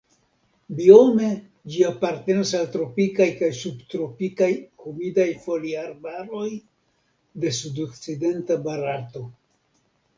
Biome ĝi apartenas al tropikaj kaj subtropikaj humidaj foliarbaroj de sudokcidenta Barato.